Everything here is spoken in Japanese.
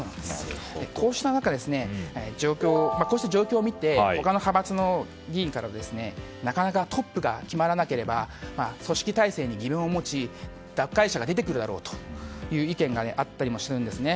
こうした状況を見て他の派閥の議員からなかなかトップが決まらなければ組織体制に疑問を持ち脱会者が出てくるだろうという意見があったりするんですね。